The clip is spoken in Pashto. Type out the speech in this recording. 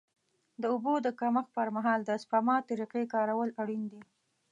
د اوبو د کمښت پر مهال د سپما طریقې کارول اړین دي.